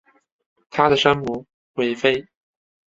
她的生母韦妃。